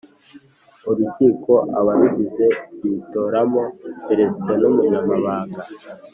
Ururkiko abarugize bitoramo Perezida n Umunyamabanga